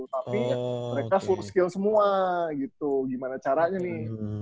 tapi mereka full skill semua gitu gimana caranya nih